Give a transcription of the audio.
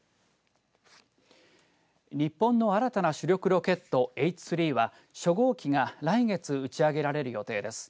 日本の新たな主力ロケットＨ３は初号機が来月打ち上げられる予定です。